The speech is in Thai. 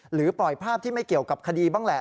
หรือปล่อยภาพที่ไม่เกี่ยวกับคดีบ้างแหละ